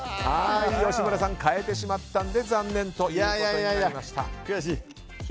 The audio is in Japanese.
吉村さん、変えてしまったので残念ということになりました。